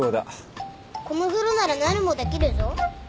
この風呂ならなるもできるぞ。